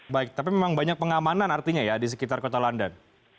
baik tapi memang banyak pengamanan artinya ya di sekitar kota london